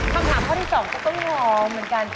คำถามข้อที่๒ก็ต้องงอเหมือนกัน